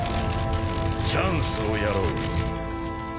チャンスをやろう。